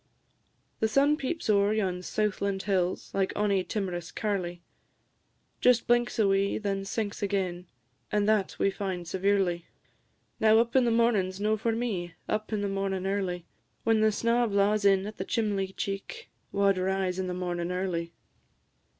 The sun peeps ower yon southland hills, Like ony timorous carlie; Just blinks a wee, then sinks again; And that we find severely. Now, up in the mornin's no for me, Up in the mornin' early; When snaw blaws in at the chimley cheek, Wha 'd rise in the mornin' early?